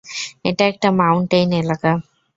এটা একটা মাউন্টেইন এলাকা।